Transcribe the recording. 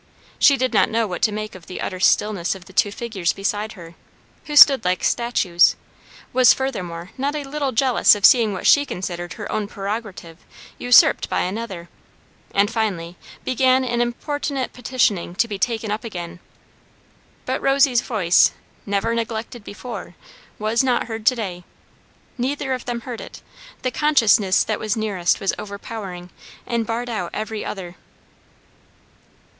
She did not know what to make of the utter stillness of the two figures beside her, who stood like statues; was furthermore not a little jealous of seeing what she considered her own prerogative usurped by another; and finally began an importunate petitioning to be taken up again. But Rosy's voice, never neglected before, was not heard to day. Neither of them heard it. The consciousness that was nearest was overpowering, and barred out every other.